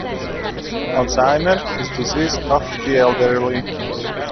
Alzheimer's is a disease of the elderly.